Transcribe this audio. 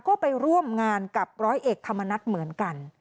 ก็ไปร่วมงานกับร้อยเอกธรรมนัฐเหมือนกัน